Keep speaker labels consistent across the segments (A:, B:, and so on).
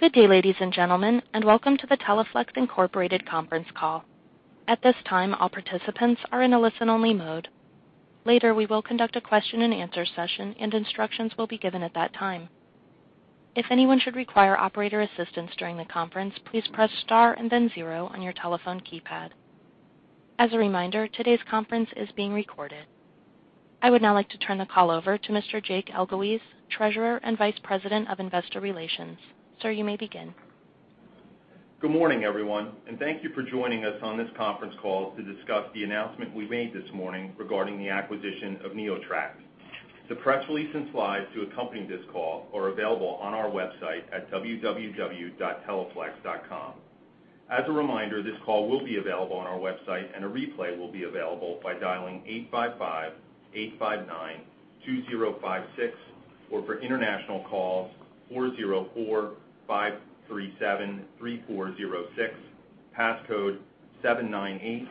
A: Good day, ladies and gentlemen, and welcome to the Teleflex Incorporated conference call. At this time, all participants are in a listen-only mode. Later, we will conduct a question and answer session, and instructions will be given at that time. If anyone should require operator assistance during the conference, please press star and then zero on your telephone keypad. As a reminder, today's conference is being recorded. I would now like to turn the call over to Mr. Jake Elguicze, Treasurer and Vice President of Investor Relations. Sir, you may begin.
B: Good morning, everyone. Thank you for joining us on this conference call to discuss the announcement we made this morning regarding the acquisition of NeoTract. The press release and slides to accompany this call are available on our website at www.teleflex.com. As a reminder, this call will be available on our website, and a replay will be available by dialing 855-859-2056, or for international calls, 404-537-3406, passcode 79859449.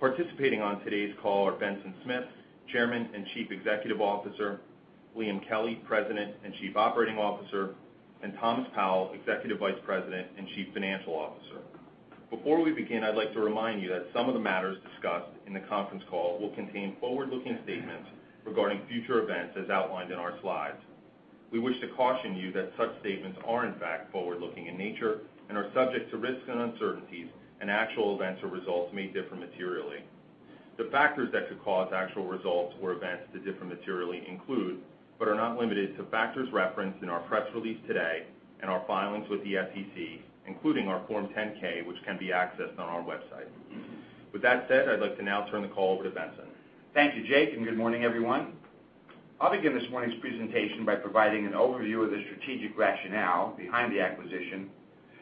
B: Participating on today's call are Benson Smith, Chairman and Chief Executive Officer, Liam Kelly, President and Chief Operating Officer, and Thomas Powell, Executive Vice President and Chief Financial Officer. Before we begin, I'd like to remind you that some of the matters discussed in the conference call will contain forward-looking statements regarding future events as outlined in our slides. We wish to caution you that such statements are in fact forward-looking in nature and are subject to risks and uncertainties. Actual events or results may differ materially. The factors that could cause actual results or events to differ materially include, but are not limited to, factors referenced in our press release today and our filings with the SEC, including our Form 10-K, which can be accessed on our website. With that said, I'd like to now turn the call over to Benson.
C: Thank you, Jake. Good morning, everyone. I'll begin this morning's presentation by providing an overview of the strategic rationale behind the acquisition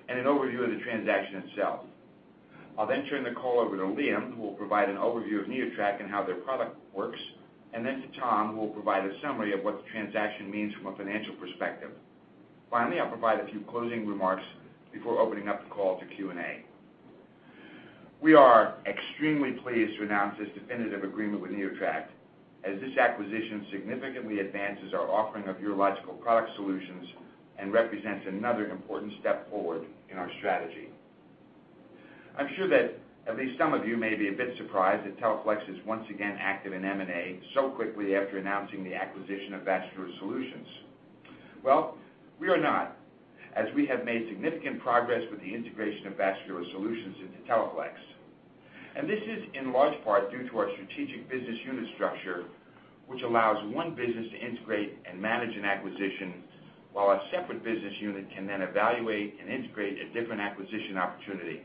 C: and an overview of the transaction itself. I'll turn the call over to Liam, who will provide an overview of NeoTract and how their product works, to Tom, who will provide a summary of what the transaction means from a financial perspective. Finally, I'll provide a few closing remarks before opening up the call to Q&A. We are extremely pleased to announce this definitive agreement with NeoTract, as this acquisition significantly advances our offering of urological product solutions and represents another important step forward in our strategy. I'm sure that at least some of you may be a bit surprised that Teleflex is once again active in M&A so quickly after announcing the acquisition of Vascular Solutions. Well, we are not, as we have made significant progress with the integration of Vascular Solutions into Teleflex. This is, in large part, due to our strategic business unit structure, which allows one business to integrate and manage an acquisition while a separate business unit can then evaluate and integrate a different acquisition opportunity.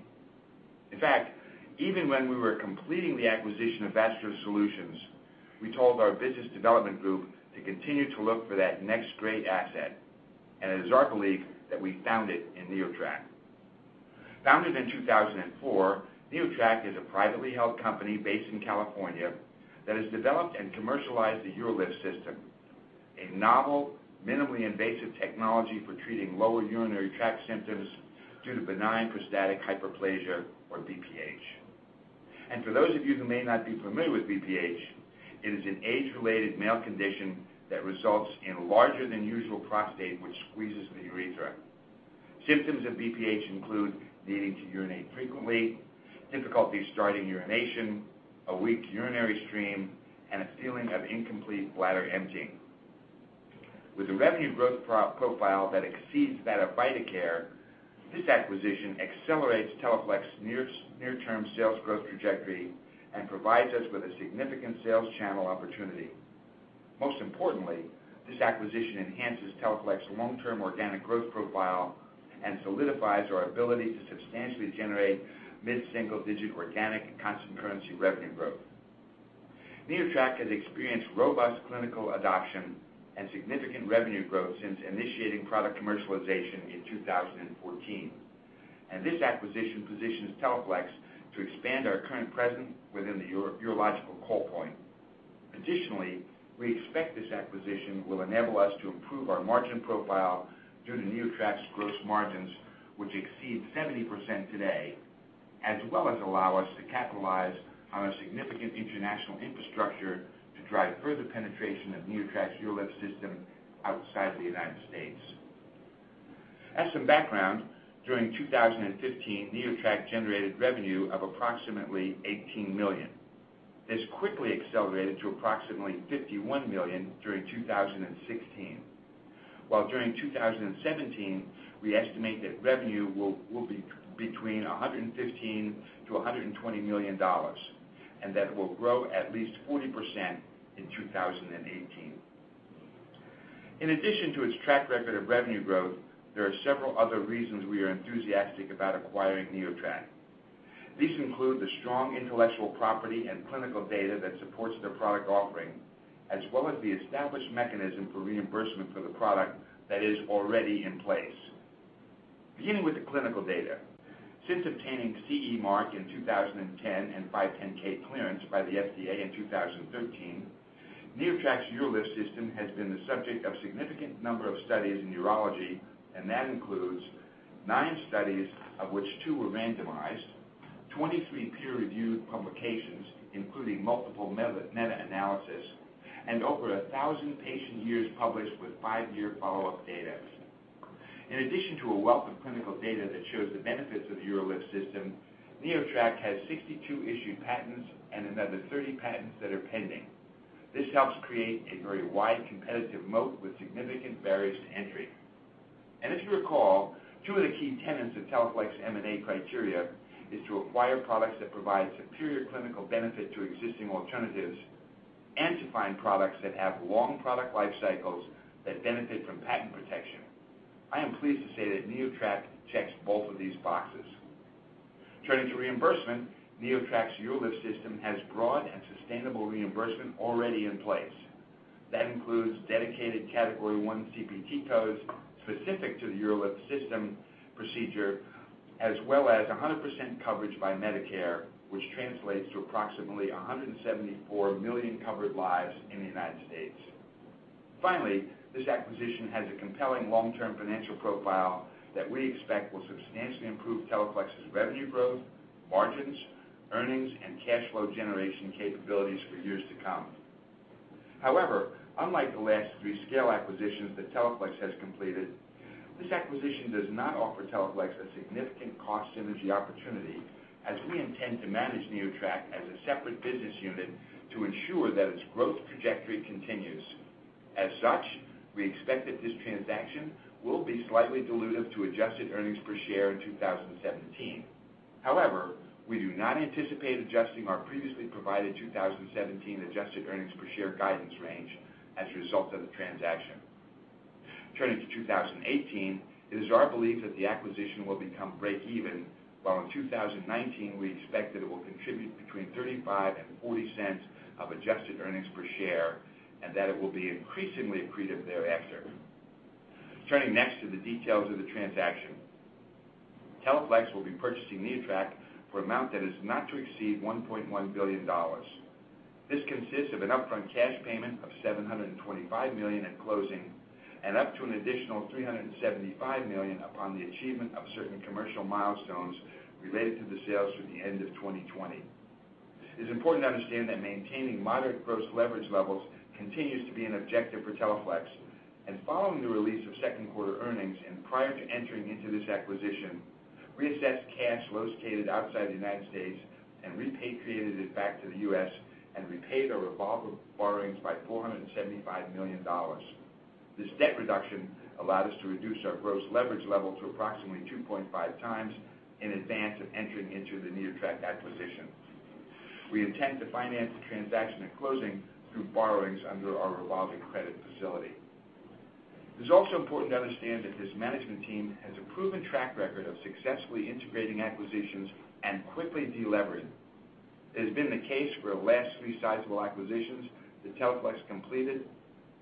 C: In fact, even when we were completing the acquisition of Vascular Solutions, we told our business development group to continue to look for that next great asset. It is our belief that we found it in NeoTract. Founded in 2004, NeoTract is a privately held company based in California that has developed and commercialized the UroLift system, a novel, minimally invasive technology for treating lower urinary tract symptoms due to benign prostatic hyperplasia or BPH. For those of you who may not be familiar with BPH, it is an age-related male condition that results in larger than usual prostate, which squeezes the urethra. Symptoms of BPH include needing to urinate frequently, difficulty starting urination, a weak urinary stream, and a feeling of incomplete bladder emptying. With a revenue growth profile that exceeds that of Vidacare, this acquisition accelerates Teleflex's near-term sales growth trajectory and provides us with a significant sales channel opportunity. Most importantly, this acquisition enhances Teleflex's long-term organic growth profile and solidifies our ability to substantially generate mid-single-digit organic and constant currency revenue growth. NeoTract has experienced robust clinical adoption and significant revenue growth since initiating product commercialization in 2014. This acquisition positions Teleflex to expand our current presence within the urological call point. Additionally, we expect this acquisition will enable us to improve our margin profile due to NeoTract's gross margins, which exceed 70% today, as well as allow us to capitalize on a significant international infrastructure to drive further penetration of NeoTract's UroLift system outside the U.S. As some background, during 2015, NeoTract generated revenue of approximately $18 million. This quickly accelerated to approximately $51 million during 2016. While during 2017, we estimate that revenue will be between $115 million-$120 million, and that will grow at least 40% in 2018. In addition to its track record of revenue growth, there are several other reasons we are enthusiastic about acquiring NeoTract. These include the strong intellectual property and clinical data that supports their product offering, as well as the established mechanism for reimbursement for the product that is already in place. Beginning with the clinical data. Since obtaining CE mark in 2010 and 510 clearance by the FDA in 2013, NeoTract's UroLift system has been the subject of significant number of studies in urology. That includes nine studies, of which two were randomized 23 peer-reviewed publications, including multiple meta-analysis and over 1,000 patient years published with five-year follow-up data. In addition to a wealth of clinical data that shows the benefits of UroLift system, NeoTract has 62 issued patents and another 30 patents that are pending. This helps create a very wide competitive moat with significant barriers to entry. As you recall, two of the key tenets of Teleflex M&A criteria is to acquire products that provide superior clinical benefit to existing alternatives and to find products that have long product life cycles that benefit from patent protection. I am pleased to say that NeoTract checks both of these boxes. Turning to reimbursement, NeoTract's UroLift system has broad and sustainable reimbursement already in place. That includes dedicated category 1 CPT codes specific to the UroLift system procedure, as well as 100% coverage by Medicare, which translates to approximately 174 million covered lives in the U.S. Finally, this acquisition has a compelling long-term financial profile that we expect will substantially improve Teleflex's revenue growth, margins, earnings, and cash flow generation capabilities for years to come. However, unlike the last three scale acquisitions that Teleflex has completed, this acquisition does not offer Teleflex a significant cost synergy opportunity as we intend to manage NeoTract as a separate business unit to ensure that its growth trajectory continues. As such, we expect that this transaction will be slightly dilutive to adjusted earnings per share in 2017. We do not anticipate adjusting our previously provided 2017 adjusted earnings per share guidance range as a result of the transaction. Turning to 2018, it is our belief that the acquisition will become breakeven, while in 2019, we expect that it will contribute between $0.35 and $0.40 of adjusted earnings per share, and that it will be increasingly accretive thereafter. Turning next to the details of the transaction. Teleflex will be purchasing NeoTract for an amount that is not to exceed $1.1 billion. This consists of an upfront cash payment of $725 million at closing and up to an additional $375 million upon the achievement of certain commercial milestones related to the sales through the end of 2020. It is important to understand that maintaining moderate gross leverage levels continues to be an objective for Teleflex. Following the release of second quarter earnings and prior to entering into this acquisition, we assessed cash located outside the U.S. and repatriated it back to the U.S. and repaid our revolver borrowings by $475 million. This debt reduction allowed us to reduce our gross leverage level to approximately 2.5 times in advance of entering into the NeoTract acquisition. We intend to finance the transaction at closing through borrowings under our revolving credit facility. It is also important to understand that this management team has a proven track record of successfully integrating acquisitions and quickly de-levering. It has been the case for the last three sizable acquisitions that Teleflex completed,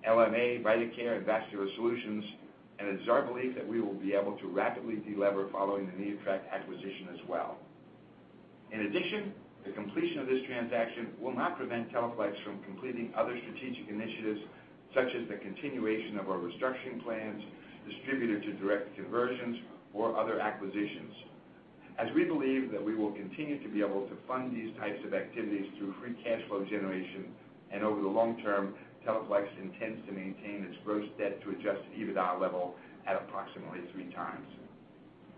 C: LMA, Vidacare, and Vascular Solutions, and it is our belief that we will be able to rapidly de-lever following the NeoTract acquisition as well. In addition, the completion of this transaction will not prevent Teleflex from completing other strategic initiatives, such as the continuation of our restructuring plans, distributor-to-direct conversions, or other acquisitions. As we believe that we will continue to be able to fund these types of activities through free cash flow generation, and over the long term, Teleflex intends to maintain its gross debt to adjusted EBITDA level at approximately three times.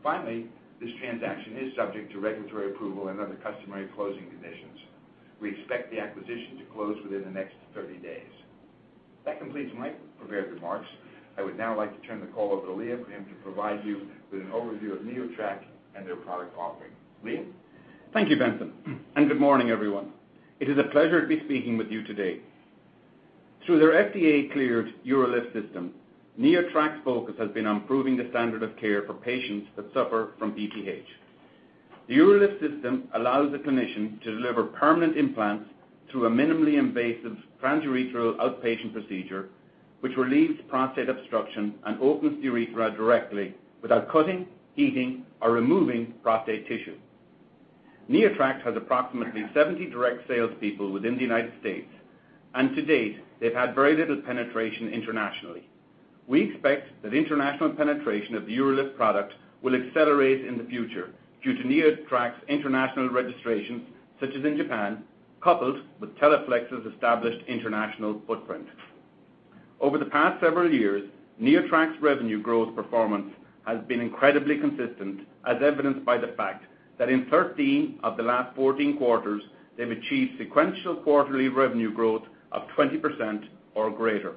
C: Finally, this transaction is subject to regulatory approval and other customary closing conditions. We expect the acquisition to close within the next 30 days. That completes my prepared remarks. I would now like to turn the call over to Liam for him to provide you with an overview of NeoTract and their product offering. Liam?
D: Thank you, Benson, and good morning, everyone. It is a pleasure to be speaking with you today. Through their FDA-cleared UroLift system, NeoTract's focus has been on improving the standard of care for patients that suffer from BPH. The UroLift system allows the clinician to deliver permanent implants through a minimally invasive transurethral outpatient procedure, which relieves prostate obstruction and opens the urethra directly without cutting, heating, or removing prostate tissue. NeoTract has approximately 70 direct salespeople within the U.S., and to date, they've had very little penetration internationally. We expect that international penetration of the UroLift product will accelerate in the future due to NeoTract's international registrations, such as in Japan, coupled with Teleflex's established international footprint. Over the past several years, NeoTract's revenue growth performance has been incredibly consistent, as evidenced by the fact that in 13 of the last 14 quarters, they've achieved sequential quarterly revenue growth of 20% or greater.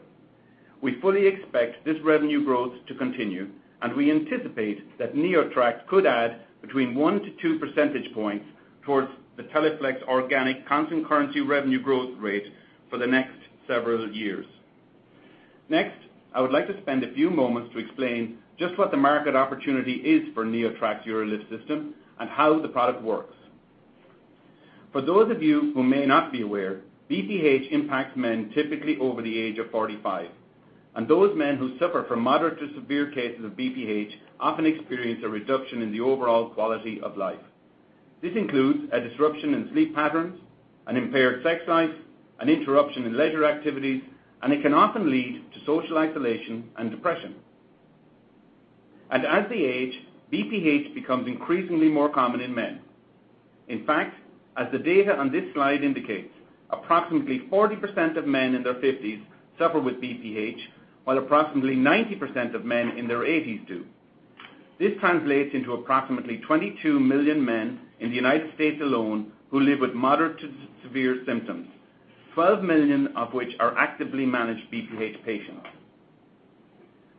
D: We fully expect this revenue growth to continue, and we anticipate that NeoTract could add between one to two percentage points towards the Teleflex organic constant currency revenue growth rate for the next several years. Next, I would like to spend a few moments to explain just what the market opportunity is for NeoTract's UroLift system and how the product works. For those of you who may not be aware, BPH impacts men typically over the age of 45, and those men who suffer from moderate to severe cases of BPH often experience a reduction in the overall quality of life. This includes a disruption in sleep patterns, an impaired sex life, an interruption in leisure activities, and it can often lead to social isolation and depression. As they age, BPH becomes increasingly more common in men. In fact, as the data on this slide indicates, approximately 40% of men in their 50s suffer with BPH, while approximately 90% of men in their 80s do. This translates into approximately 22 million men in the U.S. alone who live with moderate to severe symptoms, 12 million of which are actively managed BPH patients.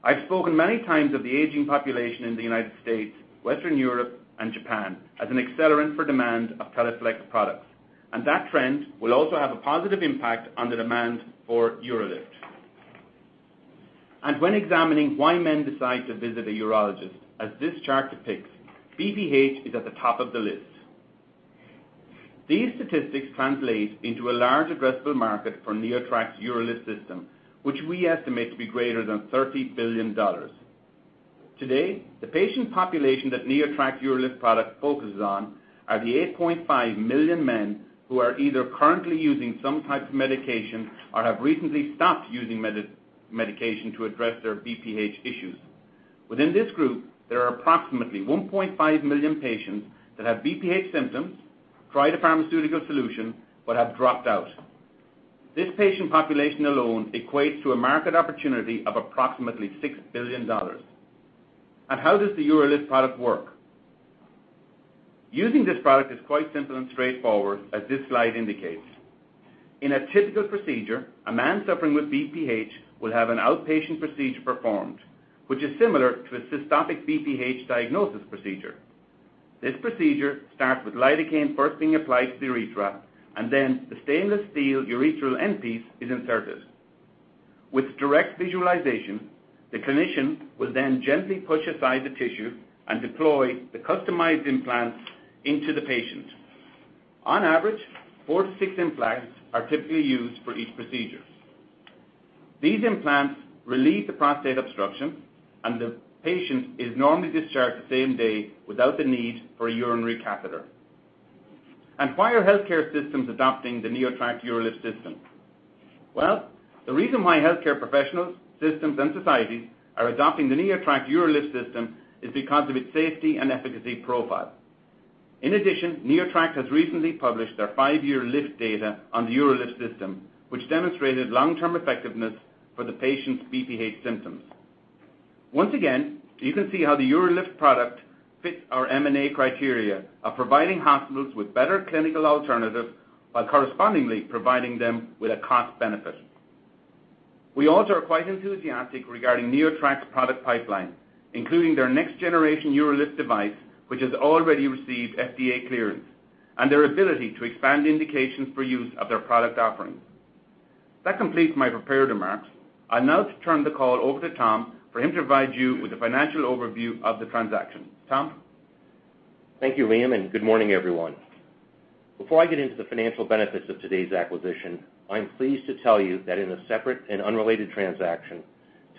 D: I've spoken many times of the aging population in the U.S., Western Europe, and Japan as an accelerant for demand of Teleflex products, and that trend will also have a positive impact on the demand for UroLift. When examining why men decide to visit a urologist, as this chart depicts, BPH is at the top of the list. These statistics translate into a large addressable market for NeoTract's UroLift system, which we estimate to be greater than $30 billion. Today, the patient population that NeoTract UroLift product focuses on are the 8.5 million men who are either currently using some type of medication or have recently stopped using medication to address their BPH issues. Within this group, there are approximately 1.5 million patients that have BPH symptoms, tried a pharmaceutical solution, but have dropped out. This patient population alone equates to a market opportunity of approximately $6 billion. How does the UroLift product work? Using this product is quite simple and straightforward, as this slide indicates. In a typical procedure, a man suffering with BPH will have an outpatient procedure performed, which is similar to a cystoscopic BPH diagnosis procedure. This procedure starts with lidocaine first being applied to the urethra, then the stainless steel urethral end piece is inserted. With direct visualization, the clinician will then gently push aside the tissue and deploy the customized implants into the patient. On average, four to six implants are typically used for each procedure. These implants relieve the prostate obstruction, and the patient is normally discharged the same day without the need for a urinary catheter. Why are healthcare systems adopting the NeoTract UroLift system? The reason why healthcare professionals, systems, and societies are adopting the NeoTract UroLift system is because of its safety and efficacy profile. In addition, NeoTract has recently published their five-year L.I.F.T. data on the UroLift system, which demonstrated long-term effectiveness for the patient's BPH symptoms. Once again, you can see how the UroLift product fits our M&A criteria of providing hospitals with better clinical alternatives while correspondingly providing them with a cost benefit. We also are quite enthusiastic regarding NeoTract's product pipeline, including their next-generation UroLift device, which has already received FDA clearance, and their ability to expand indications for use of their product offerings. That completes my prepared remarks. I will now turn the call over to Tom for him to provide you with a financial overview of the transaction. Tom?
E: Thank you, Liam, and good morning, everyone. Before I get into the financial benefits of today's acquisition, I am pleased to tell you that in a separate and unrelated transaction,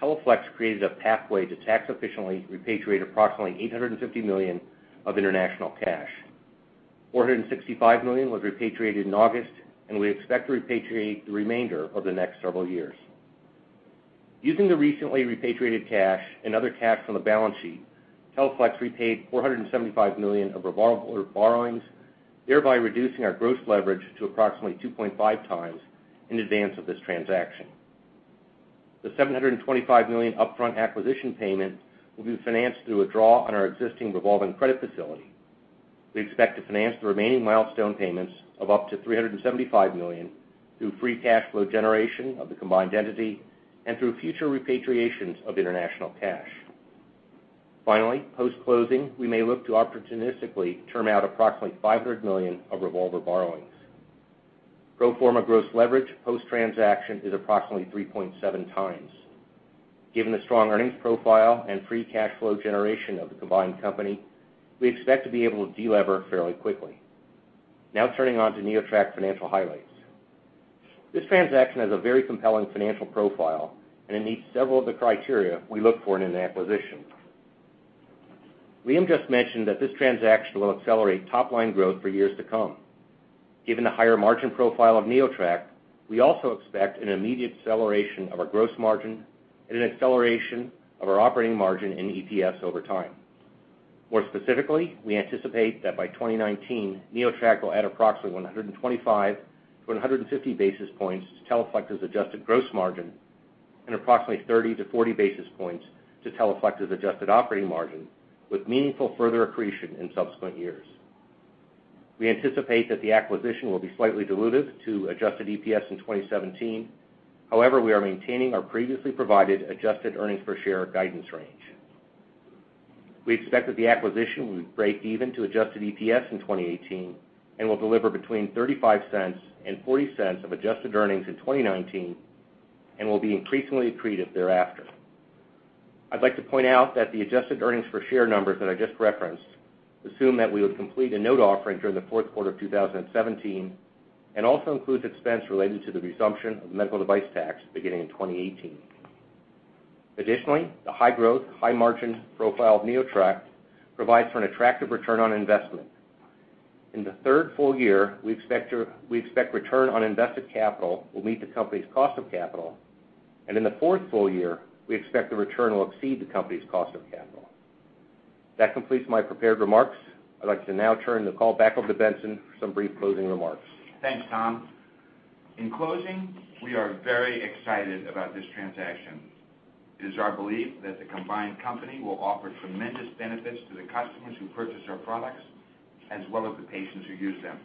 E: Teleflex created a pathway to tax efficiently repatriate approximately $850 million of international cash. $465 million was repatriated in August, and we expect to repatriate the remainder over the next several years. Using the recently repatriated cash and other cash on the balance sheet, Teleflex repaid $475 million of revolver borrowings, thereby reducing our gross leverage to approximately 2.5 times in advance of this transaction. The $725 million upfront acquisition payment will be financed through a draw on our existing revolving credit facility. We expect to finance the remaining milestone payments of up to $375 million through free cash flow generation of the combined entity and through future repatriations of international cash. Post-closing, we may look to opportunistically term out approximately $500 million of revolver borrowings. Pro forma gross leverage post-transaction is approximately 3.7 times. Given the strong earnings profile and free cash flow generation of the combined company, we expect to be able to de-lever fairly quickly. Turning on to NeoTract financial highlights. This transaction has a very compelling financial profile and it meets several of the criteria we look for in an acquisition. Liam just mentioned that this transaction will accelerate top-line growth for years to come. Given the higher margin profile of NeoTract, we also expect an immediate acceleration of our gross margin and an acceleration of our operating margin and EPS over time. More specifically, we anticipate that by 2019, NeoTract will add approximately 125 to 150 basis points to Teleflex's adjusted gross margin and approximately 30 to 40 basis points to Teleflex's adjusted operating margin, with meaningful further accretion in subsequent years. We anticipate that the acquisition will be slightly dilutive to adjusted EPS in 2017. We are maintaining our previously provided adjusted earnings per share guidance range. We expect that the acquisition will break even to adjusted EPS in 2018 and will deliver between $0.35 and $0.40 of adjusted earnings in 2019 and will be increasingly accretive thereafter. I'd like to point out that the adjusted earnings per share numbers that I just referenced assume that we would complete a note offering during the fourth quarter of 2017 and also includes expense related to the resumption of medical device tax beginning in 2018. The high-growth, high-margin profile of NeoTract provides for an attractive return on investment. In the third full year, we expect return on invested capital will meet the company's cost of capital, and in the fourth full year, we expect the return will exceed the company's cost of capital. That completes my prepared remarks. I'd like to now turn the call back over to Benson for some brief closing remarks.
C: Thanks, Tom. In closing, we are very excited about this transaction. It is our belief that the combined company will offer tremendous benefits to the customers who purchase our products, as well as the patients who use them.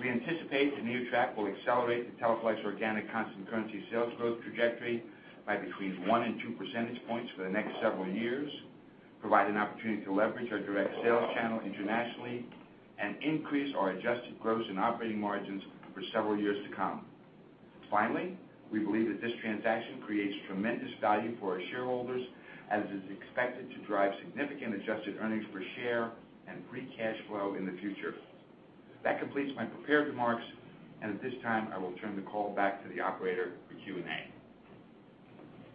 C: We anticipate that NeoTract will accelerate the Teleflex organic constant currency sales growth trajectory by between one and two percentage points for the next several years, provide an opportunity to leverage our direct sales channel internationally, and increase our adjusted gross and operating margins for several years to come. We believe that this transaction creates tremendous value for our shareholders, as it is expected to drive significant adjusted earnings per share and free cash flow in the future. That completes my prepared remarks, and at this time, I will turn the call back to the operator for Q&A.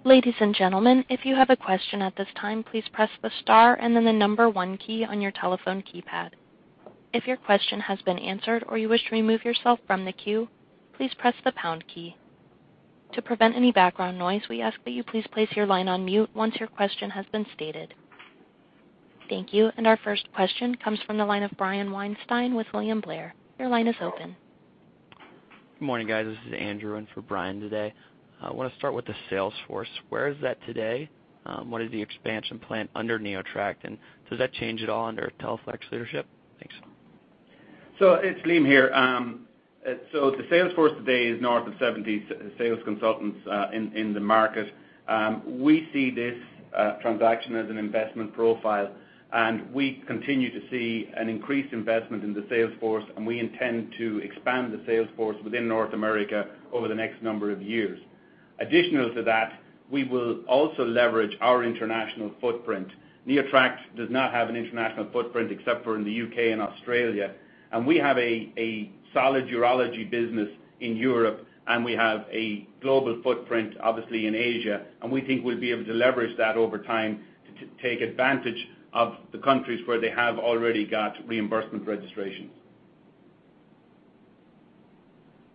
A: Ladies and gentlemen, if you have a question at this time, please press the star and then the number one key on your telephone keypad. If your question has been answered or you wish to remove yourself from the queue, please press the pound key. To prevent any background noise, we ask that you please place your line on mute once your question has been stated. Thank you. Our first question comes from the line of Brian Weinstein with William Blair. Your line is open.
F: Good morning, guys. This is Andrew in for Brian today. I want to start with the sales force. Where is that today? What is the expansion plan under NeoTract, and does that change at all under Teleflex leadership? Thanks.
D: It's Liam here. The sales force today is north of 70 sales consultants in the market. We see this transaction as an investment profile, and we continue to see an increased investment in the sales force, and we intend to expand the sales force within North America over the next number of years. Additional to that, we will also leverage our international footprint. NeoTract does not have an international footprint except for in the U.K. and Australia, and we have a solid urology business in Europe, and we have a global footprint, obviously, in Asia. We think we'll be able to leverage that over time to take advantage of the countries where they have already got reimbursement registrations.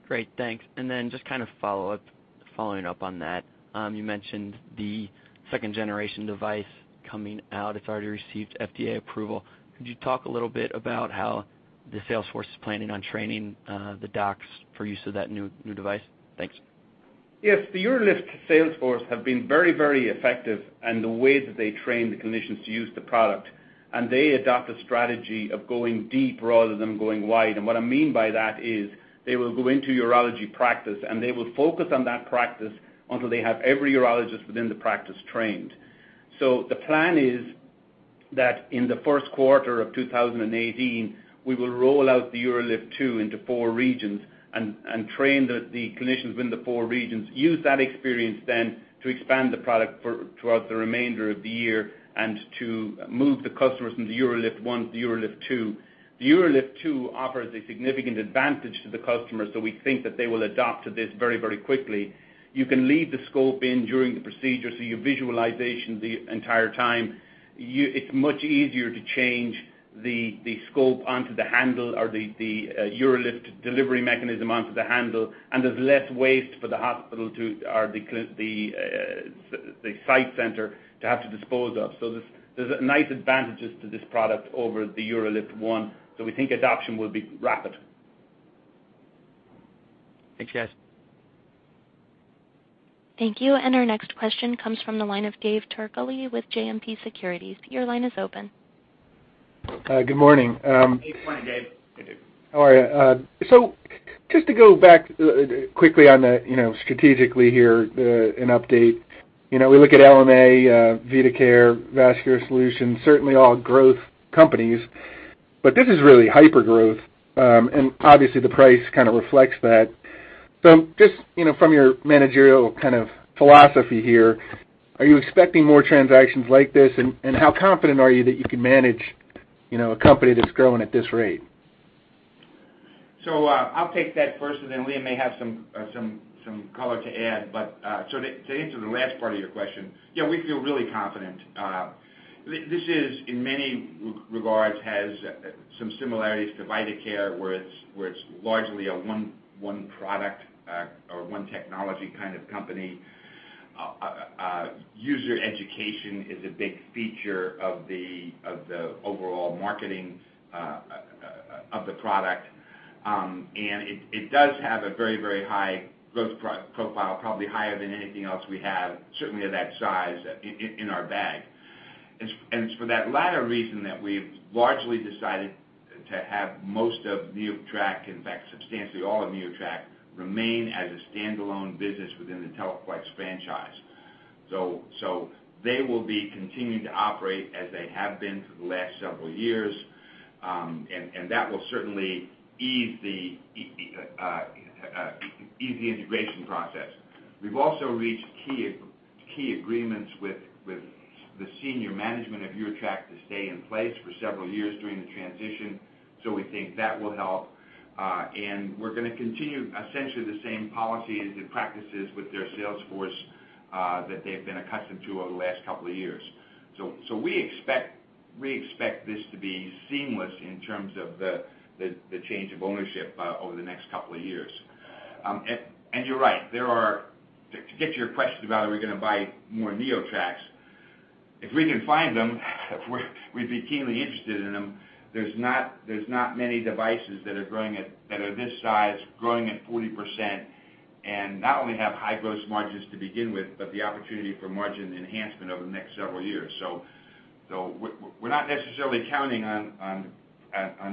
F: Great, thanks. Just kind of following up on that, you mentioned the second-generation device coming out. It's already received FDA approval. Could you talk a little bit about how the sales force is planning on training the docs for use of that new device? Thanks.
D: Yes. The UroLift sales force have been very effective, and the way that they train the clinicians to use the product, and they adopt a strategy of going deep rather than going wide. What I mean by that is they will go into urology practice, and they will focus on that practice until they have every urologist within the practice trained. The plan is that in the first quarter of 2018, we will roll out the UroLift 2 into four regions and train the clinicians within the four regions, use that experience then to expand the product throughout the remainder of the year, and to move the customers from the UroLift 1 to UroLift 2. The UroLift 2 offers a significant advantage to the customer, we think that they will adopt to this very quickly. You can leave the scope in during the procedure, so you visualize the entire time. It's much easier to change the scope onto the handle, or the UroLift delivery mechanism onto the handle, and there's less waste for the hospital or the site center to have to dispose of. There's nice advantages to this product over the UroLift 1. We think adoption will be rapid.
F: Thanks, guys.
A: Thank you. Our next question comes from the line of David Turkaly with JMP Securities. Your line is open.
G: Good morning.
C: Good morning, Dave.
G: How are you? Just to go back quickly on the strategically here, an update. We look at LMA, Vidacare, Vascular Solutions, certainly all growth companies. This is really hyper-growth. Obviously, the price kind of reflects that. Just from your managerial kind of philosophy here, are you expecting more transactions like this? And how confident are you that you can manage a company that's growing at this rate?
C: I'll take that first, and then Liam may have some color to add. To answer the last part of your question, yeah, we feel really confident. This, in many regards, has some similarities to Vidacare, where it's largely a one product or one technology kind of company. User education is a big feature of the overall marketing of the product. It does have a very high growth profile, probably higher than anything else we have, certainly of that size, in our bag. It's for that latter reason that we've largely decided to have most of NeoTract, in fact, substantially all of NeoTract, remain as a standalone business within the Teleflex franchise. They will be continuing to operate as they have been for the last several years. That will certainly ease the integration process. We've also reached key agreements with the senior management of NeoTract to stay in place for several years during the transition. We think that will help. We're going to continue essentially the same policies and practices with their sales force that they've been accustomed to over the last couple of years. We expect this to be seamless in terms of the change of ownership over the next couple of years. You're right, to get to your question about are we going to buy more NeoTract, if we can find them we'd be keenly interested in them. There's not many devices that are this size growing at 40% and not only have high gross margins to begin with, but the opportunity for margin enhancement over the next several years. We're not necessarily counting on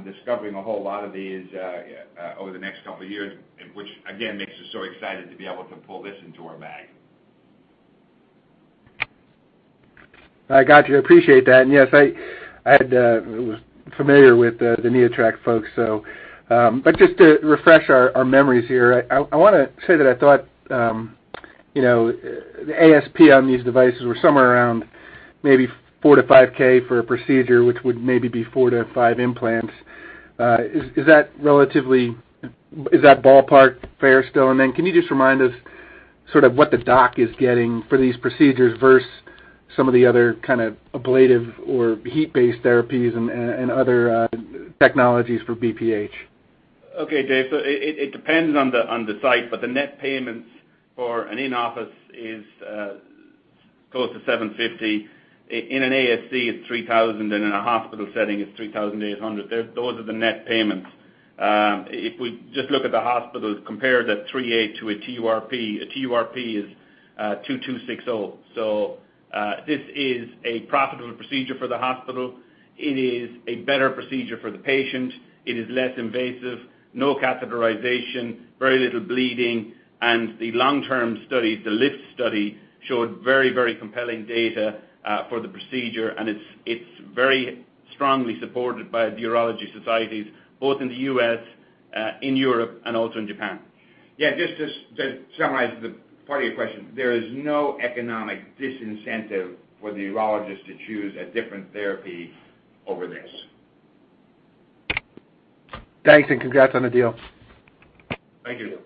C: discovering a whole lot of these over the next couple of years, which again, makes us so excited to be able to pull this into our bag.
G: I got you. Appreciate that. Yes, I was familiar with the NeoTract folks. Just to refresh our memories here, I want to say that I thought the ASP on these devices were somewhere around maybe $4K to $5K for a procedure which would maybe be four to five implants. Is that ballpark fair still? Can you just remind us sort of what the doc is getting for these procedures versus some of the other kind of ablative or heat-based therapies and other technologies for BPH?
D: Okay, Dave. It depends on the site, but the net payments for an in-office is close to $750. In an ASC, it's $3,000, in a hospital setting, it's $3,800. Those are the net payments. If we just look at the hospitals, compare that $3,800 to a TURP, a TURP is $2,260. This is a profitable procedure for the hospital. It is a better procedure for the patient. It is less invasive, no catheterization, very little bleeding. The long-term studies, the L.I.F.T. study, showed very compelling data for the procedure, and it's very strongly supported by the urology societies, both in the U.S., in Europe, and also in Japan.
C: Yeah, just to summarize the part of your question, there is no economic disincentive for the urologist to choose a different therapy over this.
G: Thanks, congrats on the deal.
C: Thank you.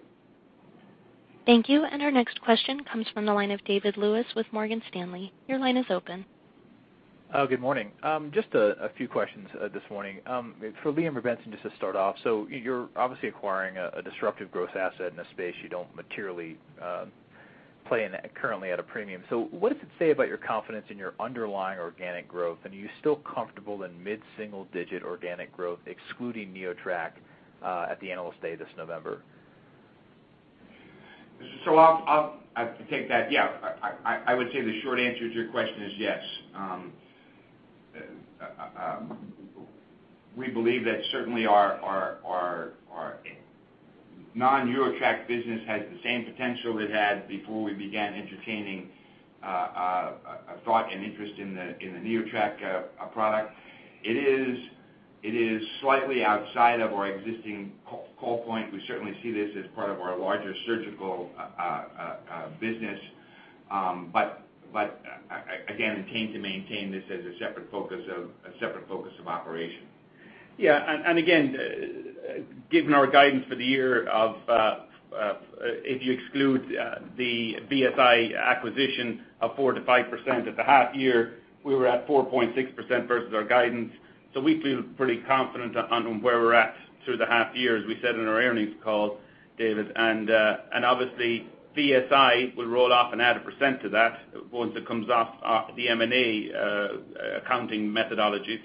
A: Thank you. Our next question comes from the line of David Lewis with Morgan Stanley. Your line is open.
H: Good morning. Just a few questions this morning. For Liam, Benson, just to start off, you're obviously acquiring a disruptive growth asset in a space you don't materially play in currently at a premium. What does it say about your confidence in your underlying organic growth? Are you still comfortable in mid-single-digit organic growth excluding NeoTract at the Analyst Day this November?
C: I'll take that. Yeah, I would say the short answer to your question is yes. We believe that certainly our non-NeoTract business has the same potential it had before we began entertaining thought and interest in the NeoTract product. It is slightly outside of our existing call point. We certainly see this as part of our larger surgical business. Again, intend to maintain this as a separate focus of operation.
D: Yeah. Again, given our guidance for the year of, if you exclude the VSI acquisition of 4%-5% at the half year, we were at 4.6% versus our guidance. We feel pretty confident on where we're at through the half year, as we said on our earnings call, David. Obviously VSI will roll off and add a percent to that once it comes off the M&A accounting methodologies.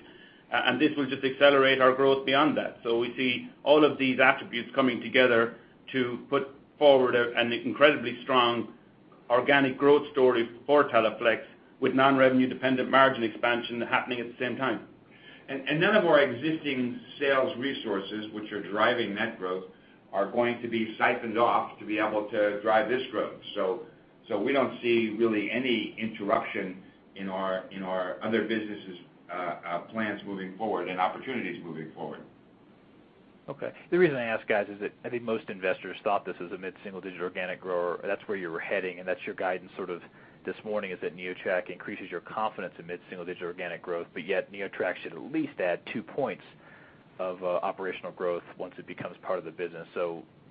D: This will just accelerate our growth beyond that. We see all of these attributes coming together to put forward an incredibly strong organic growth story for Teleflex, with non-revenue dependent margin expansion happening at the same time.
C: None of our existing sales resources, which are driving net growth, are going to be siphoned off to be able to drive this growth. We don't see really any interruption in our other businesses' plans moving forward and opportunities moving forward.
H: Okay. The reason I ask, guys, is that I think most investors thought this was a mid-single digit organic grower. That's where you were heading, and that's your guidance sort of this morning, is that NeoTract increases your confidence in mid-single digit organic growth, yet NeoTract should at least add 2 points of operational growth once it becomes part of the business.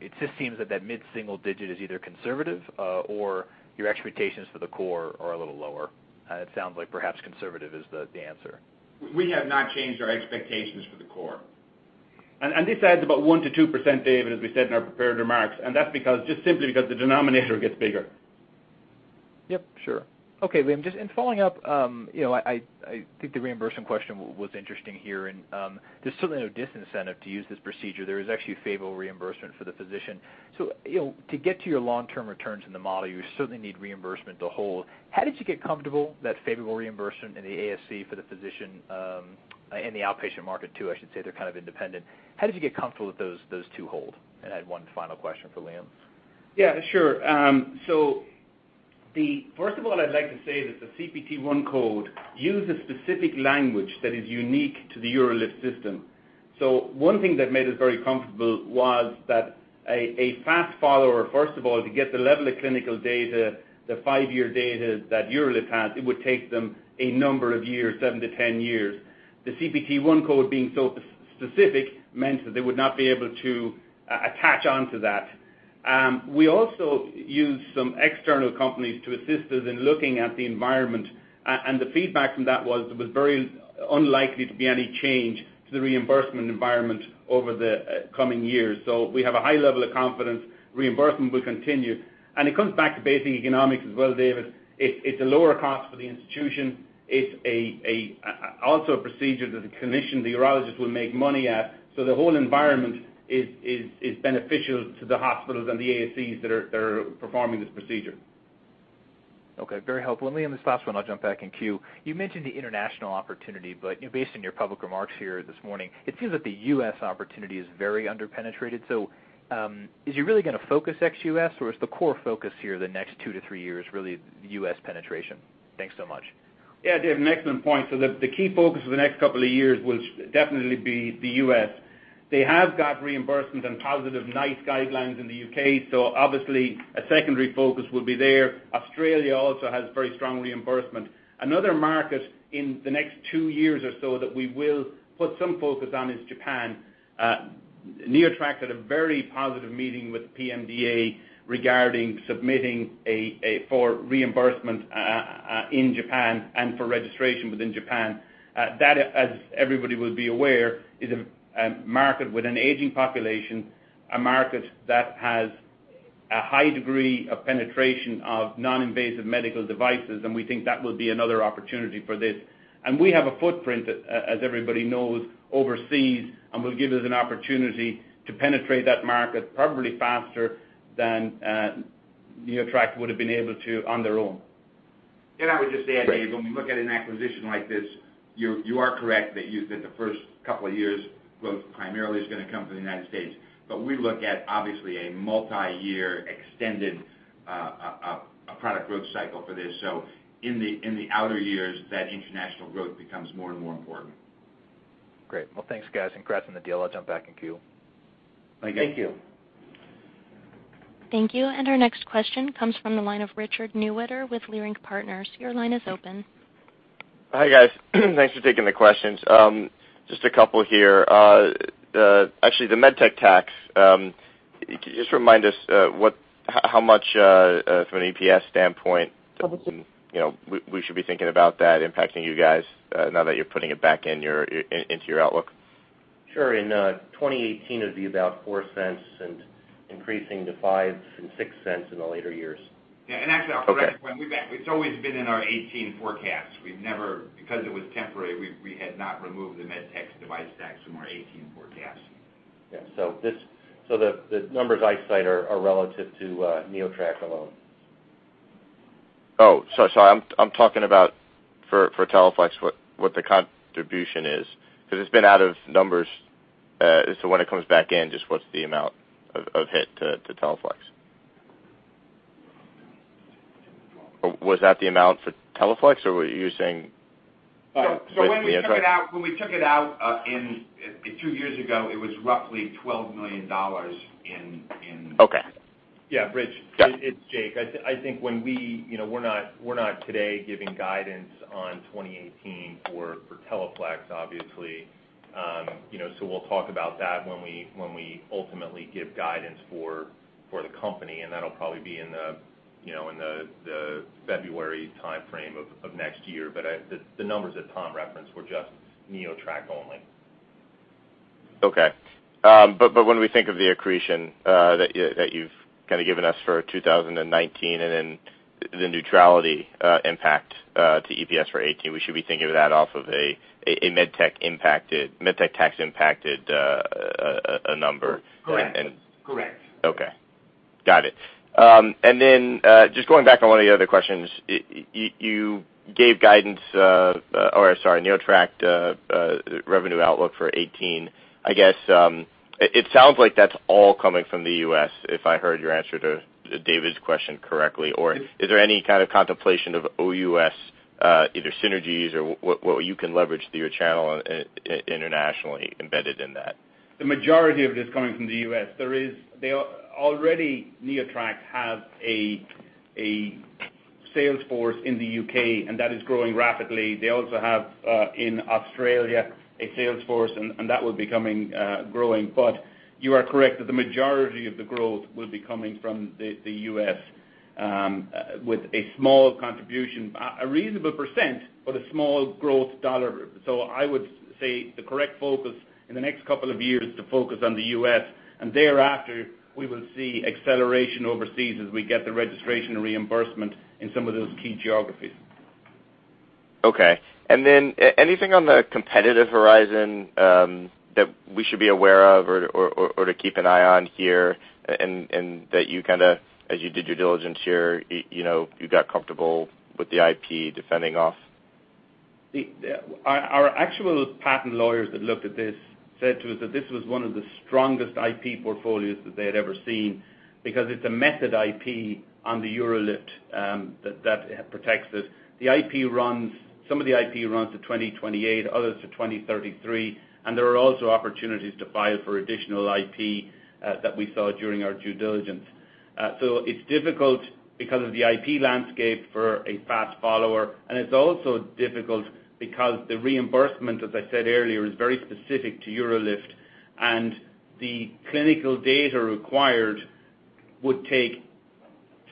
H: It just seems that that mid-single digit is either conservative or your expectations for the core are a little lower. It sounds like perhaps conservative is the answer.
C: We have not changed our expectations for the core.
D: This adds about 1%-2%, David, as we said in our prepared remarks. That's just simply because the denominator gets bigger.
H: Yep. Sure. Okay, Liam, just in following up, I think the reimbursement question was interesting here. There's certainly no disincentive to use this procedure. There is actually a favorable reimbursement for the physician. To get to your long-term returns in the model, you certainly need reimbursement to hold. How did you get comfortable that favorable reimbursement in the ASC for the physician in the outpatient market too, I should say, they're kind of independent. How did you get comfortable that those two hold? I had one final question for Liam.
D: Yeah, sure. First of all, I'd like to say that the CPT I code uses specific language that is unique to the UroLift System. One thing that made us very comfortable was that a fast follower, first of all, to get the level of clinical data, the five-year data that UroLift has, it would take them a number of years, 7-10 years. The CPT I code being so specific meant that they would not be able to attach onto that. We also used some external companies to assist us in looking at the environment. The feedback from that was it was very unlikely to be any change to the reimbursement environment over the coming years. We have a high level of confidence reimbursement will continue. It comes back to basic economics as well, David. It's a lower cost for the institution. It's also a procedure that the clinician, the urologist, will make money at. The whole environment is beneficial to the hospitals and the ASCs that are performing this procedure.
H: Okay. Very helpful. Liam, this last one, I'll jump back in queue. You mentioned the international opportunity, but based on your public remarks here this morning, it seems that the U.S. opportunity is very under-penetrated. Is you really going to focus ex-U.S., or is the core focus here the next two to three years really the U.S. penetration? Thanks so much.
D: David, an excellent point. The key focus for the next couple of years will definitely be the U.S. They have got reimbursement and positive NICE guidelines in the U.K. Obviously, a secondary focus will be there. Australia also has very strong reimbursement. Another market in the next two years or so that we will put some focus on is Japan. NeoTract had a very positive meeting with PMDA regarding submitting for reimbursement in Japan and for registration within Japan. That, as everybody will be aware, is a market with an aging population, a market that has a high degree of penetration of non-invasive medical devices, and we think that will be another opportunity for this. We have a footprint, as everybody knows, overseas, and will give us an opportunity to penetrate that market probably faster than NeoTract would've been able to on their own.
B: I would just add, Dave, when we look at an acquisition like this, you are correct that the first couple of years' growth primarily is going to come from the United States. We look at, obviously, a multi-year extended product growth cycle for this. In the outer years, that international growth becomes more and more important.
H: Great. Well, thanks, guys. Congrats on the deal. I'll jump back in queue.
D: Thank you.
B: Thank you.
A: Thank you. Our next question comes from the line of Richard Newitter with Leerink Partners. Your line is open.
I: Hi, guys. Thanks for taking the questions. Just a couple here. Actually, the med tech tax, can you just remind us how much, from an EPS standpoint- we should be thinking about that impacting you guys now that you're putting it back into your outlook?
B: Sure. In 2018, it'd be about $0.04 and increasing to $0.05 and $0.06 in the later years.
I: Okay.
D: Yeah, actually, I'll correct it. It's always been in our 2018 forecast. Because it was temporary, we had not removed the med tech device tax from our 2018 forecast.
B: Yeah. The numbers I cite are relative to NeoTract alone.
I: Oh, so sorry. I'm talking about for Teleflex, what the contribution is because it's been out of numbers. When it comes back in, just what's the amount of hit to Teleflex? Was that the amount for Teleflex or were you saying?
D: When we took it out.
I: With NeoTract.
D: two years ago, it was roughly $12 million.
I: Okay.
B: Yeah.
I: Yeah
B: It's Jake. I think we're not today giving guidance on 2018 for Teleflex, obviously. We'll talk about that when we ultimately give guidance for the company, and that'll probably be in the February timeframe of next year. The numbers that Tom referenced were just NeoTract only.
I: Okay. When we think of the accretion that you've given us for 2019 and then the neutrality impact to EPS for 2018, we should be thinking of that off of a med tech tax impacted number.
D: Correct.
I: Okay. Got it. Just going back on one of the other questions, you gave guidance, or sorry, NeoTract revenue outlook for 2018. I guess, it sounds like that's all coming from the U.S., if I heard your answer to David's question correctly. Is there any kind of contemplation of OUS, either synergies or what you can leverage through your channel internationally embedded in that?
D: The majority of it is coming from the U.S. Already, NeoTract has a sales force in the U.K., and that is growing rapidly. They also have, in Australia, a sales force, and that will be growing. You are correct that the majority of the growth will be coming from the U.S., with a small contribution, a reasonable %, but a small growth dollar. I would say the correct focus in the next couple of years is to focus on the U.S., and thereafter, we will see acceleration overseas as we get the registration and reimbursement in some of those key geographies.
I: Okay. Anything on the competitive horizon that we should be aware of or to keep an eye on here, and that you, as you did your diligence here, you got comfortable with the IP defending off?
D: Our actual patent lawyers that looked at this said to us that this was one of the strongest IP portfolios that they had ever seen because it's a method IP on the UroLift that protects it. Some of the IP runs to 2028, others to 2033, and there are also opportunities to file for additional IP that we saw during our due diligence. It's difficult because of the IP landscape for a fast follower, and it's also difficult because the reimbursement, as I said earlier, is very specific to UroLift, and the clinical data required would take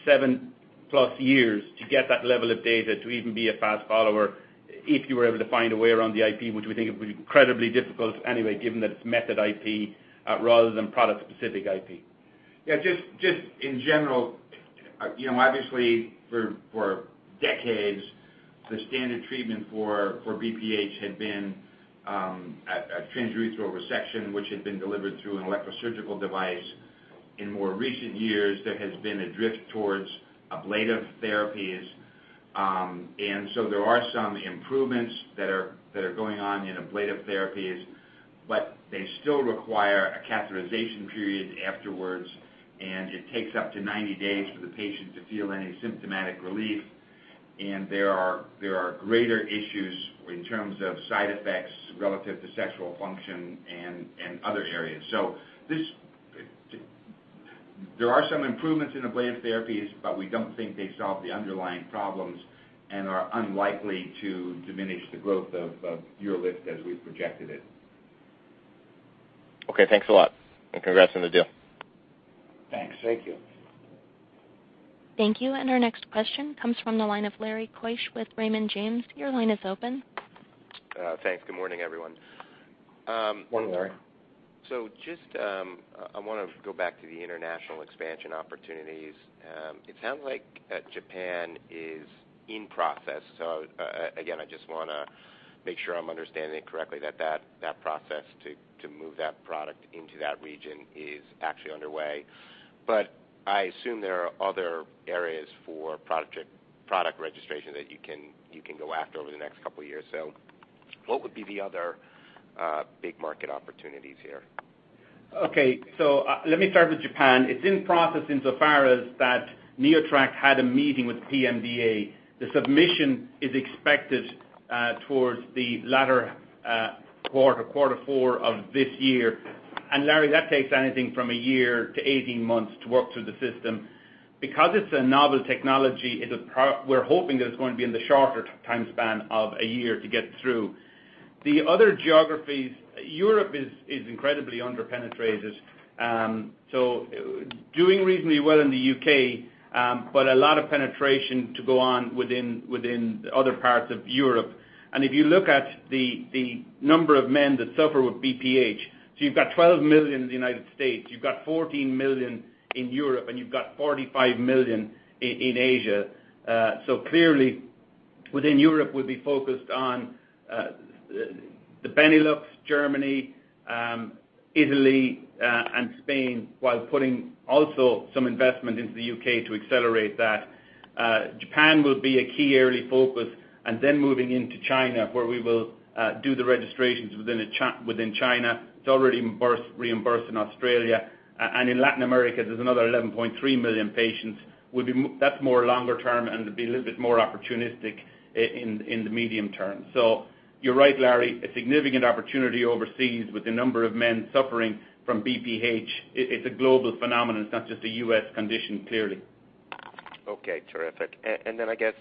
D: 7+ years to get that level of data to even be a fast follower if you were able to find a way around the IP, which we think it would be incredibly difficult anyway, given that it's method IP rather than product-specific IP.
C: Yeah. Just in general, obviously for decades, the standard treatment for BPH had been a transurethral resection, which had been delivered through an electrosurgical device. In more recent years, there has been a drift towards ablative therapies. There are some improvements that are going on in ablative therapies, but they still require a catheterization period afterwards, and it takes up to 90 days for the patient to feel any symptomatic relief. There are greater issues in terms of side effects relative to sexual function and other areas. There are some improvements in ablative therapies, but we don't think they solve the underlying problems and are unlikely to diminish the growth of UroLift as we've projected it.
I: Okay, thanks a lot, congrats on the deal.
C: Thanks.
D: Thank you.
A: Thank you. Our next question comes from the line of Lawrence Keusch with Raymond James. Your line is open.
J: Thanks. Good morning, everyone.
D: Morning, Larry.
J: Just, I want to go back to the international expansion opportunities. It sounds like Japan is in process. Again, I just want to make sure I'm understanding it correctly, that process to move that product into that region is actually underway. I assume there are other areas for product registration that you can go after over the next couple of years. What would be the other big market opportunities here?
D: Okay. Let me start with Japan. It's in process insofar as that NeoTract had a meeting with PMDA. The submission is expected towards the latter quarter 4 of this year. Larry, that takes anything from a year to 18 months to work through the system. Because it's a novel technology, we're hoping that it's going to be in the shorter time span of a year to get through. The other geographies, Europe is incredibly under-penetrated. Doing reasonably well in the U.K., but a lot of penetration to go on within other parts of Europe. If you look at the number of men that suffer with BPH, you've got 12 million in the United States, you've got 14 million in Europe, and you've got 45 million in Asia. Clearly within Europe, we'll be focused on the Benelux, Germany, Italy, and Spain, while putting also some investment into the U.K. to accelerate that. Japan will be a key early focus, then moving into China, where we will do the registrations within China. It's already reimbursed in Australia. In Latin America, there's another 11.3 million patients. That's more longer term and be a little bit more opportunistic in the medium term. You're right, Larry, a significant opportunity overseas with the number of men suffering from BPH. It's a global phenomenon. It's not just a U.S. condition, clearly.
J: Okay, terrific. I guess,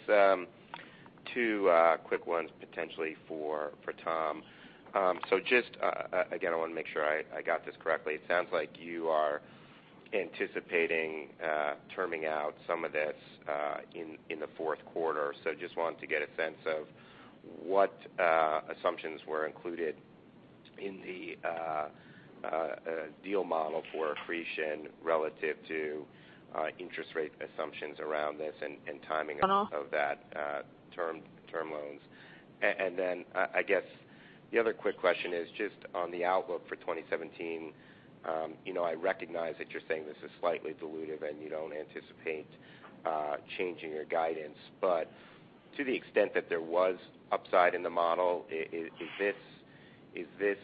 J: two quick ones potentially for Tom. Just, again, I want to make sure I got this correctly. It sounds like you are anticipating terming out some of this in the fourth quarter. Just wanted to get a sense of what assumptions were included in the deal model for accretion relative to interest rate assumptions around this and timing of that term loans. I guess the other quick question is just on the outlook for 2017. I recognize that you're saying this is slightly dilutive and you don't anticipate changing your guidance, but to the extent that there was upside in the model, is this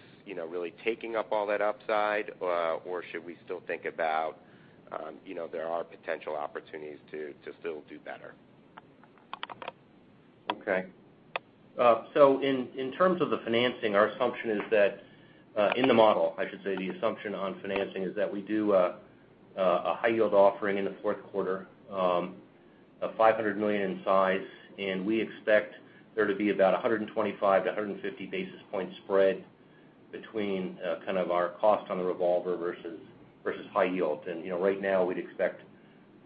J: really taking up all that upside, or should we still think about there are potential opportunities to still do better?
E: Okay. In terms of the financing, our assumption is that in the model, I should say, the assumption on financing is that we do a high yield offering in the fourth quarter of $500 million in size, and we expect there to be about 125-150 basis point spread between our cost on the revolver versus high yield. Right now we'd expect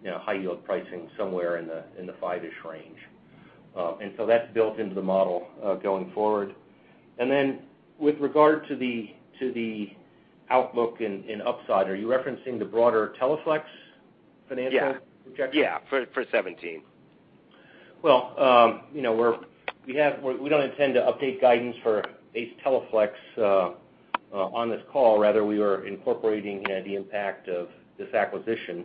E: high yield pricing somewhere in the five-ish range. That's built into the model going forward. With regard to the outlook and upside, are you referencing the broader Teleflex financial projection?
J: Yeah. For 2017.
C: We don't intend to update guidance for Teleflex on this call. Rather, we were incorporating the impact of this acquisition.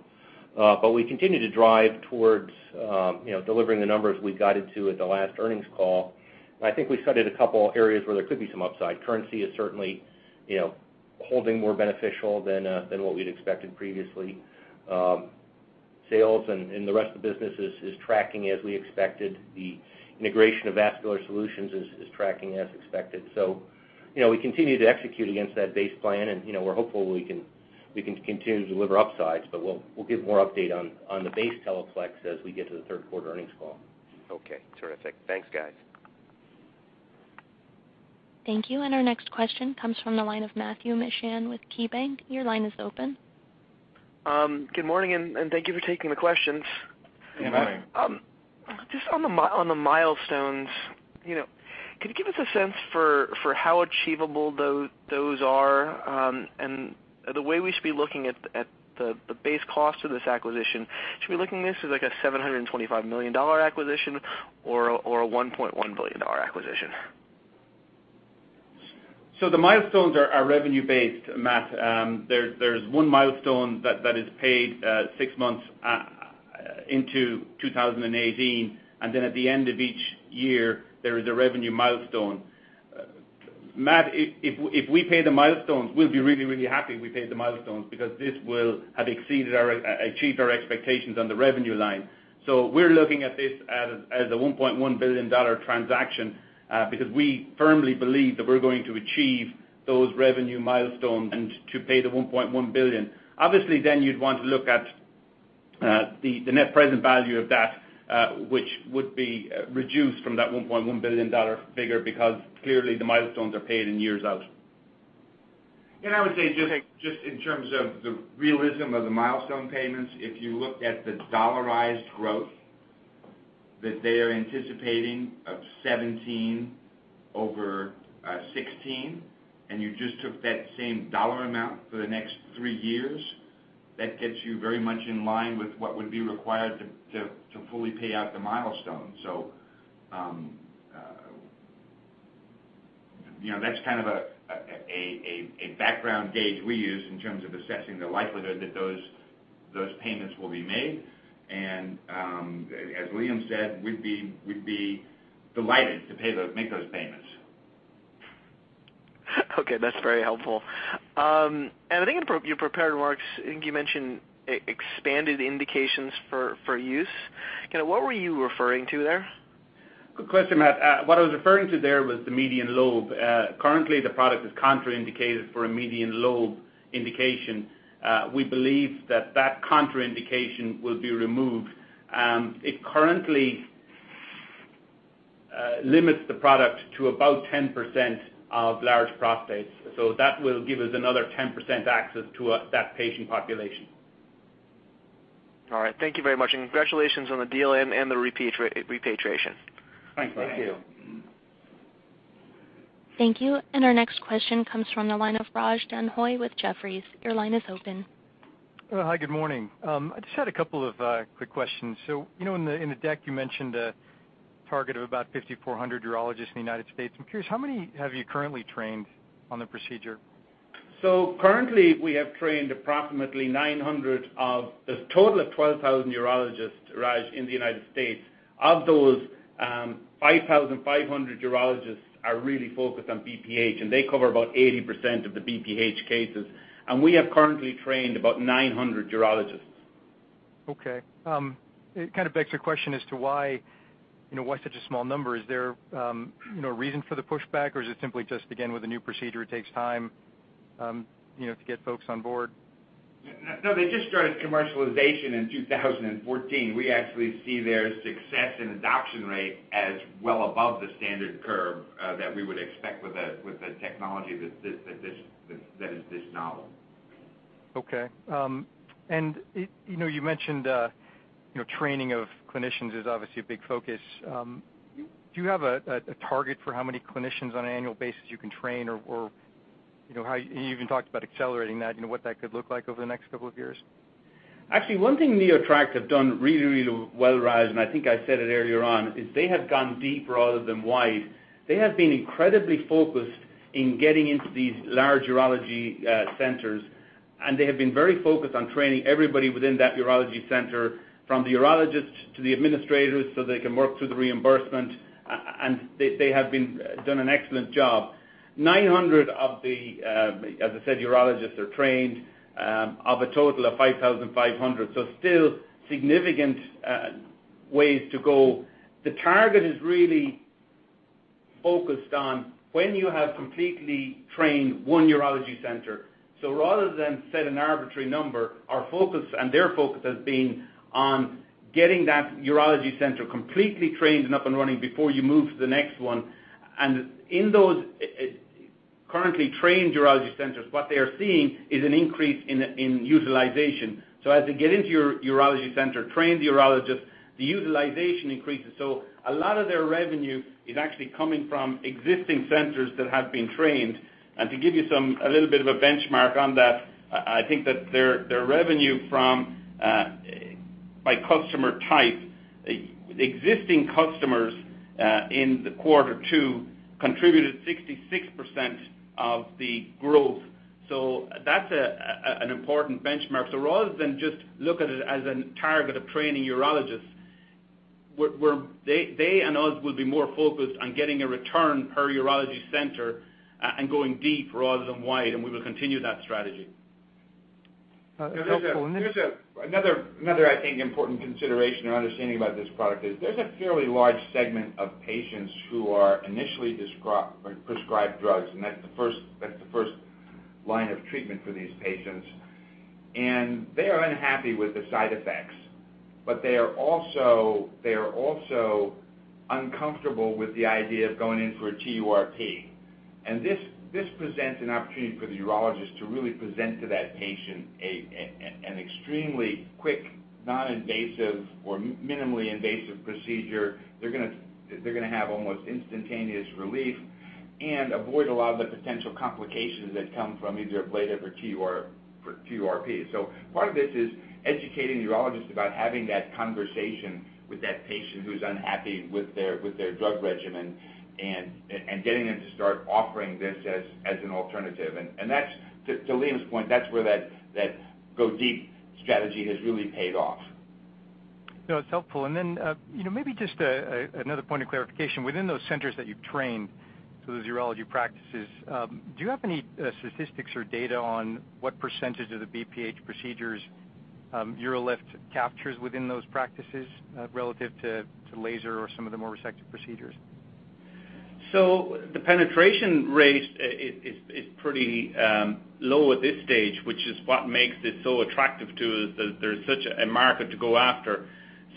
C: We continue to drive towards delivering the numbers we guided to at the last earnings call. I think we cited a couple areas where there could be some upside. Currency is certainly holding more beneficial than what we'd expected previously. Sales and the rest of the business is tracking as we expected. The integration of Vascular Solutions is tracking as expected.
D: We continue to execute against that base plan, and we're hopeful we can continue to deliver upsides, but we'll give more update on the base Teleflex as we get to the third-quarter earnings call.
C: Terrific. Thanks, guys.
A: Thank you. Our next question comes from the line of Matthew Mishan with KeyBanc. Your line is open.
K: Good morning, thank you for taking the questions.
D: Good morning.
C: Good morning.
K: Just on the milestones. Could you give us a sense for how achievable those are, and the way we should be looking at the base cost of this acquisition, should we be looking at this as like a $725 million acquisition or a $1.1 billion acquisition?
D: The milestones are revenue-based, Matt. There's one milestone that is paid six months into 2018, and then at the end of each year, there is a revenue milestone. Matt, if we pay the milestones, we'll be really happy we paid the milestones because this will have exceeded or achieved our expectations on the revenue line. We're looking at this as a $1.1 billion transaction because we firmly believe that we're going to achieve those revenue milestones and to pay the $1.1 billion. Obviously, you'd want to look at the net present value of that which would be reduced from that $1.1 billion figure, because clearly the milestones are paid in years out.
C: I would say just in terms of the realism of the milestone payments, if you looked at the dollarized growth that they are anticipating of 2017 over 2016, and you just took that same dollar amount for the next three years, that gets you very much in line with what would be required to fully pay out the milestones. That's kind of a background gauge we use in terms of assessing the likelihood that those payments will be made. As Liam said, we'd be delighted to make those payments.
K: Okay. That's very helpful. I think in your prepared remarks, I think you mentioned expanded indications for use. What were you referring to there?
D: Good question, Matt. What I was referring to there was the median lobe. Currently, the product is contraindicated for a median lobe indication. We believe that that contraindication will be removed. It currently limits the product to about 10% of large prostates. That will give us another 10% access to that patient population.
K: All right. Thank you very much. Congratulations on the deal and the repatriation.
D: Thank you.
C: Thank you.
A: Thank you. Our next question comes from the line of Raj Denhoy with Jefferies. Your line is open.
L: Hi, good morning. I just had a couple of quick questions. In the deck you mentioned a target of about 5,400 urologists in the United States. I'm curious, how many have you currently trained on the procedure?
D: Currently, we have trained approximately 900 of a total of 12,000 urologists, Raj, in the United States. Of those, 5,500 urologists are really focused on BPH, and they cover about 80% of the BPH cases. We have currently trained about 900 urologists.
L: Okay. It kind of begs the question as to why such a small number. Is there a reason for the pushback, or is it simply just, again, with a new procedure, it takes time to get folks on board?
C: No, they just started commercialization in 2014. We actually see their success and adoption rate as well above the standard curve that we would expect with a technology that is this novel.
L: Okay. You mentioned training of clinicians is obviously a big focus. Do you have a target for how many clinicians on an annual basis you can train, or you even talked about accelerating that, what that could look like over the next couple of years?
D: Actually, one thing NeoTract have done really well, Raj, I think I said it earlier on, is they have gone deeper rather than wide. They have been incredibly focused in getting into these large urology centers. They have been very focused on training everybody within that urology center, from the urologist to the administrators, so they can work through the reimbursement. They have done an excellent job. 900 of the, as I said, urologists are trained of a total of 5,500. Still significant ways to go. The target is really focused on when you have completely trained one urology center. Rather than set an arbitrary number, our focus and their focus has been on getting that urology center completely trained and up and running before you move to the next one. In those currently trained urology centers, what they are seeing is an increase in utilization. As they get into your urology center, train the urologist, the utilization increases. A lot of their revenue is actually coming from existing centers that have been trained. To give you a little bit of a benchmark on that, I think that their revenue by customer type, existing customers in the quarter 2 contributed 66% of the growth. That's an important benchmark. Rather than just look at it as a target of training urologists, they and us will be more focused on getting a return per urology center and going deep rather than wide. We will continue that strategy.
C: There's another, I think, important consideration or understanding about this product is there's a fairly large segment of patients who are initially prescribed drugs. That's the first line of treatment for these patients. They are unhappy with the side effects, but they are also uncomfortable with the idea of going in for a TURP. This presents an opportunity for the urologist to really present to that patient an extremely quick, non-invasive or minimally invasive procedure. They're going to have almost instantaneous relief and avoid a lot of the potential complications that come from either a blade or for TURP. Part of this is educating the urologist about having that conversation with that patient who's unhappy with their drug regimen and getting them to start offering this as an alternative. To Liam's point, that's where that go deep strategy has really paid off.
L: No, it's helpful. Maybe just another point of clarification. Within those centers that you've trained, so those urology practices, do you have any statistics or data on what percentage of the BPH procedures UroLift captures within those practices relative to laser or some of the more resective procedures?
D: The penetration rate is pretty low at this stage, which is what makes it so attractive to us, that there's such a market to go after.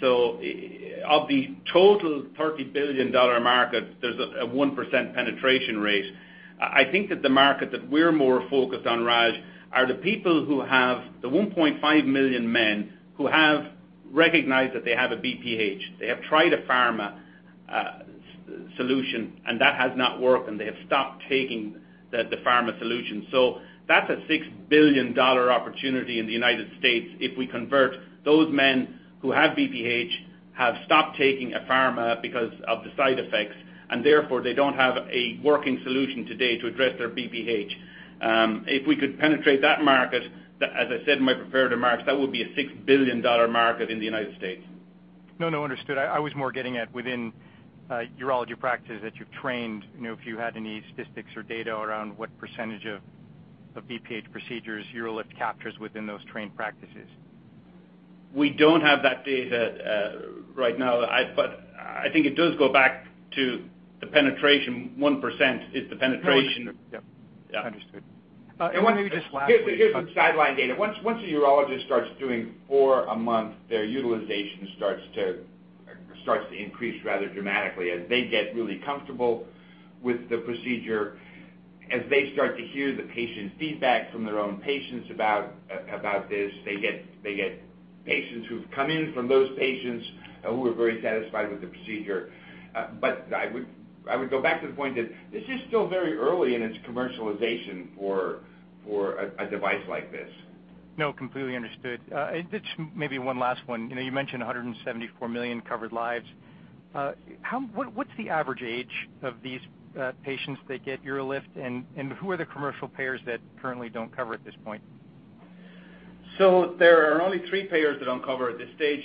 D: Of the total $30 billion market, there's a 1% penetration rate. I think that the market that we're more focused on, Raj, are the people who have the 1.5 million men who have recognized that they have a BPH. They have tried a pharma solution, and that has not worked, and they have stopped taking the pharma solution. That's a $6 billion opportunity in the United States if we convert those men who have BPH, have stopped taking a pharma because of the side effects, and therefore they don't have a working solution today to address their BPH. If we could penetrate that market, as I said in my prepared remarks, that would be a $6 billion market in the United States.
L: No, no. Understood. I was more getting at within urology practices that you've trained, if you had any statistics or data around what percentage of BPH procedures UroLift captures within those trained practices.
D: We don't have that data right now. I think it does go back to the penetration, 1% is the penetration.
L: No, understood. Yep.
D: Yeah.
L: Understood. Maybe just lastly.
C: Here's some sideline data. Once a urologist starts doing four a month, their utilization starts to increase rather dramatically as they get really comfortable with the procedure. As they start to hear the patient feedback from their own patients about this, they get patients who've come in from those patients who are very satisfied with the procedure. I would go back to the point that this is still very early in its commercialization for a device like this.
L: No, completely understood. Just maybe one last one. You mentioned 174 million covered lives. What's the average age of these patients that get UroLift, and who are the commercial payers that currently don't cover at this point?
D: There are only three payers that don't cover at this stage.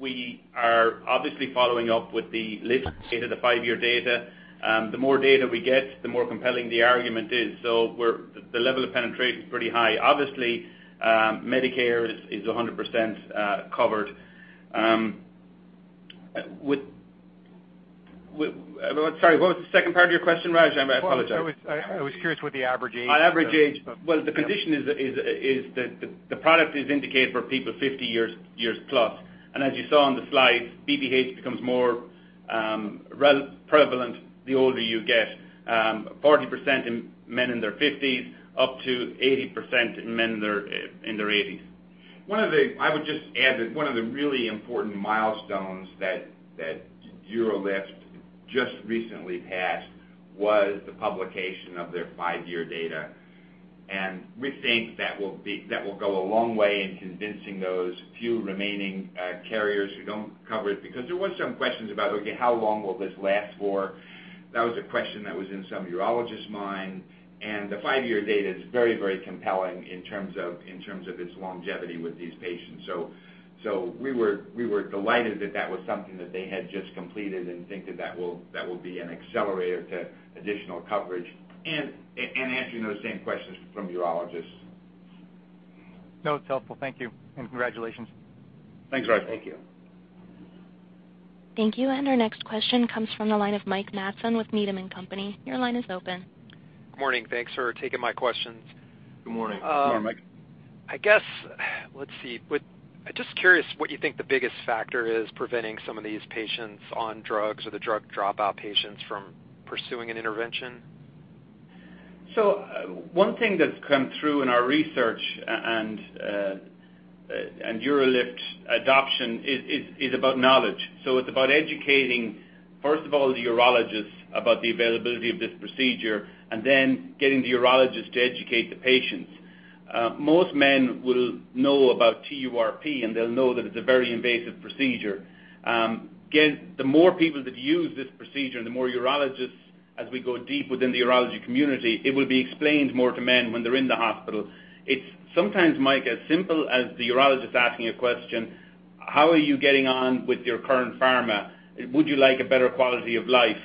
D: We are obviously following up with the L.I.F.T. data, the five-year data. The more data we get, the more compelling the argument is. The level of penetration is pretty high. Obviously, Medicare is 100% covered. Sorry, what was the second part of your question, Raj? I apologize.
L: Well, I was curious what the average age was.
D: Average age. Well, the condition is that the product is indicated for people 50 years plus. As you saw on the slide, BPH becomes more prevalent the older you get. 40% in men in their 50s, up to 80% in men in their 80s.
C: I would just add that one of the really important milestones that UroLift just recently passed was the publication of their five-year data. We think that will go a long way in convincing those few remaining carriers who don't cover it, because there was some questions about, okay, how long will this last for? That was a question that was in some urologists' mind, and the five-year data is very compelling in terms of its longevity with these patients. We were delighted that that was something that they had just completed and think that that will be an accelerator to additional coverage and answering those same questions from urologists.
L: No, it's helpful. Thank you, congratulations.
D: Thanks, Raj.
C: Thank you.
A: Thank you. Our next question comes from the line of Mike Matson with Needham & Company. Your line is open.
M: Good morning. Thanks for taking my questions.
D: Good morning.
C: Good morning, Mike.
M: I guess, let's see. I'm just curious what you think the biggest factor is preventing some of these patients on drugs or the drug dropout patients from pursuing an intervention.
D: One thing that's come through in our research and UroLift adoption is about knowledge. It's about educating, first of all, the urologist about the availability of this procedure, and then getting the urologist to educate the patients. Most men will know about TURP, and they'll know that it's a very invasive procedure. Again, the more people that use this procedure and the more urologists, as we go deep within the urology community, it will be explained more to men when they're in the hospital. It's sometimes, Mike, as simple as the urologist asking a question, "How are you getting on with your current pharma? Would you like a better quality of life?"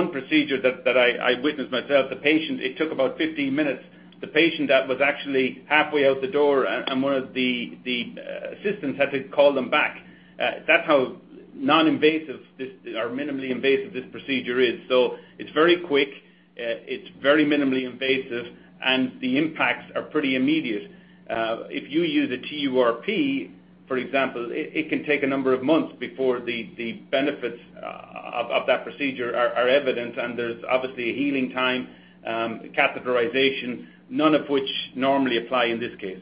D: One procedure that I witnessed myself, the patient, it took about 15 minutes. The patient that was actually halfway out the door, and one of the assistants had to call them back. That's how non-invasive this or minimally invasive this procedure is. It's very quick, it's very minimally invasive, and the impacts are pretty immediate. If you use a TURP, for example, it can take a number of months before the benefits of that procedure are evident, and there's obviously a healing time, catheterization, none of which normally apply in this case.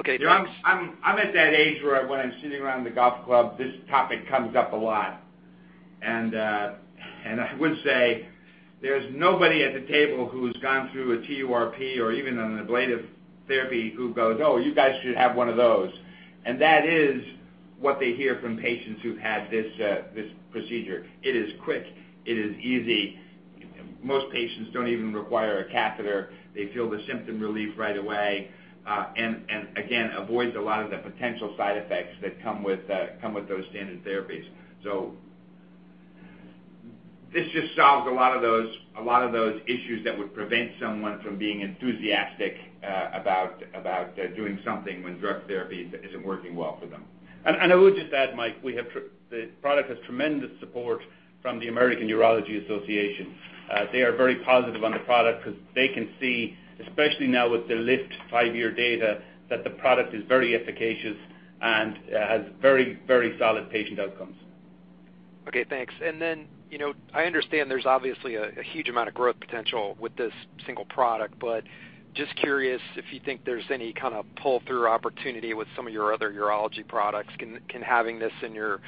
M: Okay, Tom.
C: I'm at that age where when I'm sitting around the golf club, this topic comes up a lot. I would say there's nobody at the table who's gone through a TURP or even an ablative therapy who goes, "Oh, you guys should have one of those." That is what they hear from patients who've had this procedure. It is quick. It is easy. Most patients don't even require a catheter. They feel the symptom relief right away. Again, avoids a lot of the potential side effects that come with those standard therapies. This just solves a lot of those issues that would prevent someone from being enthusiastic about doing something when drug therapy isn't working well for them.
D: And I would just add, Mike, the product has tremendous support from the American Urological Association. They are very positive on the product because they can see, especially now with the L.I.F.T. five-year data, that the product is very efficacious and has very solid patient outcomes.
M: Okay, thanks. I understand there's obviously a huge amount of growth potential with this single product, but just curious if you think there's any kind of pull-through opportunity with some of your other urology products. Can having this in your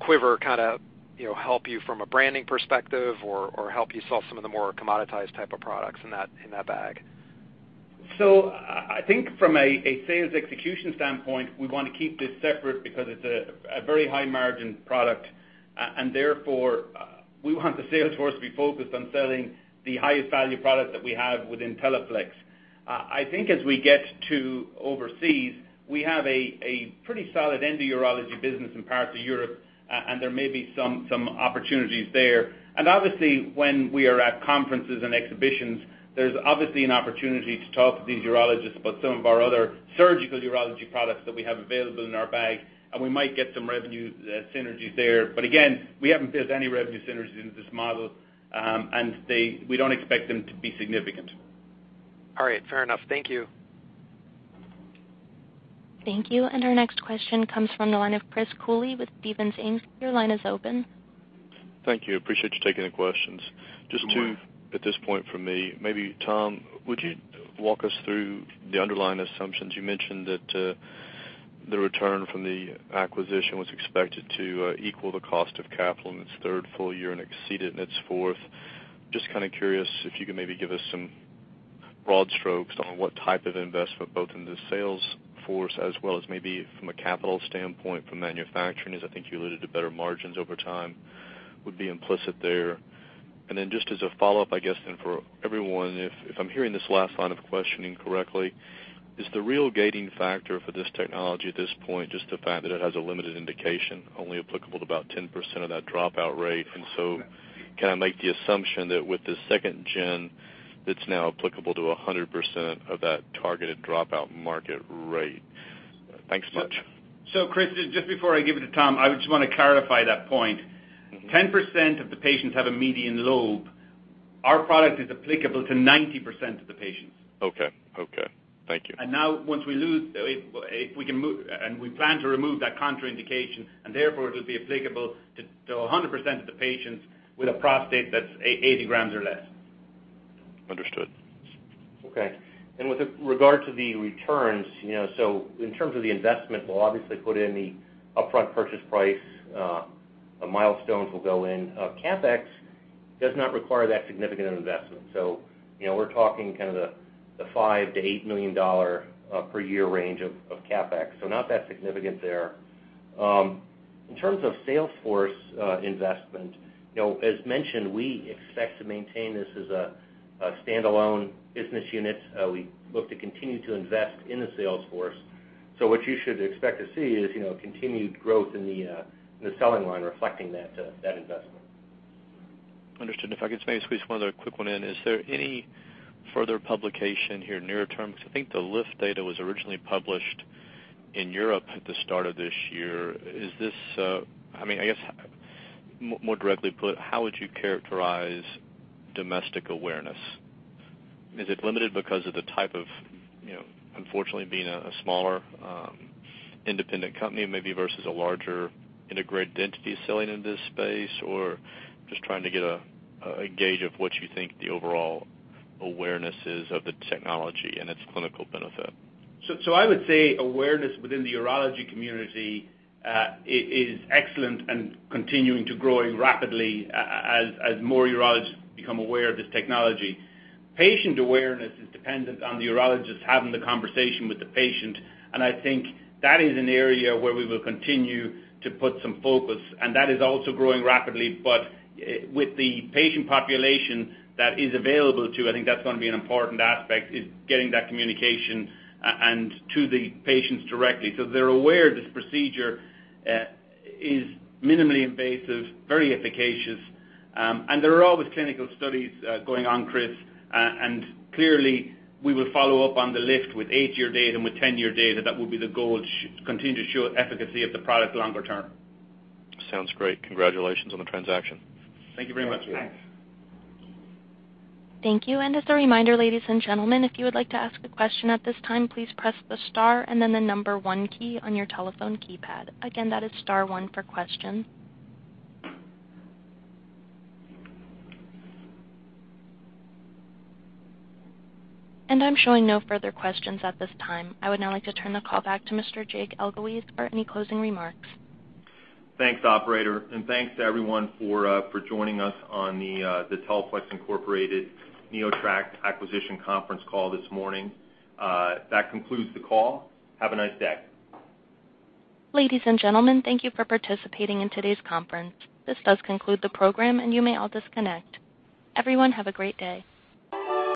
M: quiver kind of help you from a branding perspective or help you sell some of the more commoditized type of products in that bag?
D: I think from a sales execution standpoint, we want to keep this separate because it's a very high margin product, and therefore we want the sales force to be focused on selling the highest value product that we have within Teleflex. I think as we get to overseas, we have a pretty solid endourology business in parts of Europe, and there may be some opportunities there. Obviously, when we are at conferences and exhibitions, there's obviously an opportunity to talk to these urologists about some of our other surgical urology products that we have available in our bag, and we might get some revenue synergies there. Again, we haven't built any revenue synergies into this model, and we don't expect them to be significant.
M: All right, fair enough. Thank you.
A: Thank you. Our next question comes from the line of Chris Cooley with Stephens Inc. Your line is open.
N: Thank you. Appreciate you taking the questions.
D: You're welcome.
N: Just two at this point from me. Maybe Tom, would you walk us through the underlying assumptions? You mentioned that the return from the acquisition was expected to equal the cost of capital in its third full year and exceed it in its fourth. Just kind of curious if you could maybe give us some broad strokes on what type of investment, both in the sales force as well as maybe from a capital standpoint from manufacturing, as I think you alluded to better margins over time would be implicit there. Then just as a follow-up, I guess then for everyone, if I'm hearing this last line of questioning correctly, is the real gating factor for this technology at this point just the fact that it has a limited indication, only applicable to about 10% of that dropout rate? Can I make the assumption that with the second gen, it's now applicable to 100% of that targeted dropout market rate? Thanks so much.
D: Chris, just before I give it to Tom, I just want to clarify that point. 10% of the patients have a median lobe. Our product is applicable to 90% of the patients.
N: Okay. Thank you.
D: Now once we plan to remove that contraindication, therefore it'll be applicable to 100% of the patients with a prostate that's 80 grams or less.
N: Understood.
E: Okay. With regard to the returns, in terms of the investment, we'll obviously put in the upfront purchase price. Milestones will go in. CapEx does not require that significant of investment. We're talking kind of the $5 million-$8 million per year range of CapEx. Not that significant there. In terms of sales force investment, as mentioned, we expect to maintain this as a standalone business unit. We look to continue to invest in the sales force. What you should expect to see is continued growth in the selling line reflecting that investment.
N: Understood. If I could maybe squeeze one other quick one in. Is there any further publication here near term? Because I think the L.I.F.T. data was originally published in Europe at the start of this year. I guess more directly put, how would you characterize domestic awareness? Is it limited because unfortunately being a smaller, independent company maybe versus a larger integrated entity selling in this space? Just trying to get a gauge of what you think the overall awareness is of the technology and its clinical benefit.
D: I would say awareness within the urology community is excellent and continuing to growing rapidly as more urologists become aware of this technology. Patient awareness is dependent on the urologist having the conversation with the patient, and I think that is an area where we will continue to put some focus, and that is also growing rapidly. With the patient population that is available too, I think that's going to be an important aspect is getting that communication and to the patients directly. They're aware this procedure is minimally invasive, very efficacious, and there are always clinical studies going on, Chris, and clearly we will follow up on the L.I.F.T. with eight-year data, and with 10-year data, that will be the goal to continue to show efficacy of the product longer term.
N: Sounds great. Congratulations on the transaction.
D: Thank you very much.
B: Thank you.
A: Thank you. As a reminder, ladies and gentlemen, if you would like to ask a question at this time, please press the star and then the number one key on your telephone keypad. Again, that is star one for questions. I'm showing no further questions at this time. I would now like to turn the call back to Mr. Jake Elguicze for any closing remarks.
B: Thanks, operator, and thanks to everyone for joining us on the Teleflex Incorporated NeoTract acquisition conference call this morning. That concludes the call. Have a nice day.
A: Ladies and gentlemen, thank you for participating in today's conference. This does conclude the program, and you may all disconnect. Everyone have a great day.